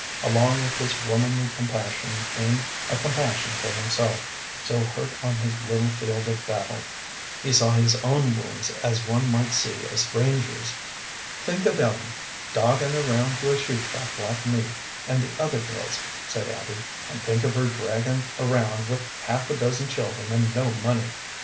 Along with this womanly compassion came a compassion for himself, so hurt on his little field of battle. He saw his own wounds as one might see a stranger's. "Think of Ellen dogging around to a shoe shop like me and the other girls," said Abby, "and think of her draggin' around with half a dozen children and no money.